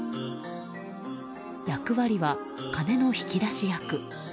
役割は金の引き出し役。